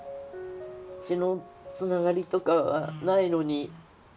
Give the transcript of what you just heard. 血のつながりとかはないのに。